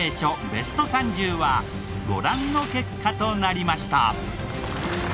ベスト３０はご覧の結果となりました。